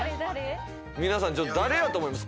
皆さん誰やと思います？